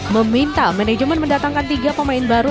meminta manajemen mendatangkan tiga pemain baru